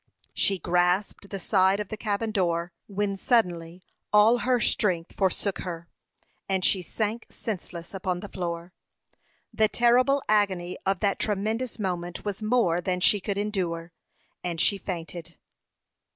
She grasped the side of the cabin door, when suddenly all her strength forsook her, and she sank senseless upon the floor. The terrible agony of that tremendous moment was more than she could endure, and she fainted.